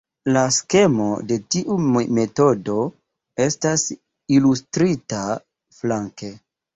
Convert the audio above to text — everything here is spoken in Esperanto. La skemo de tiu metodo estas ilustrita flanke.